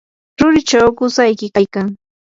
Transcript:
rurichaw qusayki kaykan.